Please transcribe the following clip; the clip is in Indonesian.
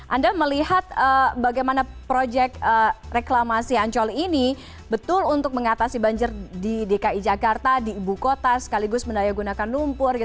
anda melihat bagaimana proyek reklamasi ancol ini betul untuk mengatasi banjir di dki jakarta di ibu kota sekaligus mendayagunakan lumpur